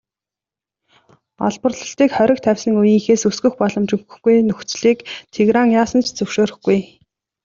Олборлолтыг хориг тавьсан үеийнхээс өсгөх боломж өгөхгүй нөхцөлийг Тегеран яасан ч зөвшөөрөхгүй.